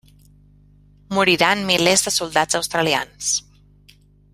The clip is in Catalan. Moriran milers de soldats australians.